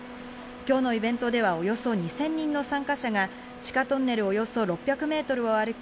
今日のイベントでは、およそ２０００人の参加者が地下トンネルおよそ６００ｍを歩き、